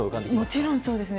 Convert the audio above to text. もちろんそうですね。